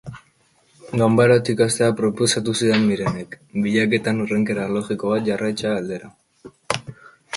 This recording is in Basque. Ganbaratik hastea proposatu zidan Mirenek, bilaketan hurrenkera logiko bat jarraitze aldera.